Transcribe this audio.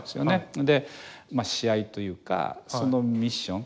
その試合というかそのミッション